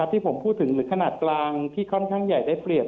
ที่ผมพูดถึงหรือขนาดกลางที่ค่อนข้างใหญ่ได้เปรียบ